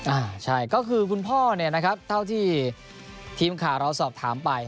อ่าใช่ก็คือคุณพ่อเนี่ยนะครับเท่าที่ทีมข่าวเราสอบถามไป